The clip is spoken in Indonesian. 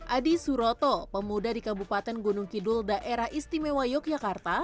adi suroto pemuda di kabupaten gunung kidul daerah istimewa yogyakarta